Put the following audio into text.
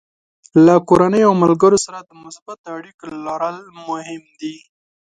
له کورنۍ او ملګرو سره د مثبتو اړیکو لرل مهم دي.